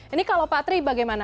ini kalau pak tri bagaimana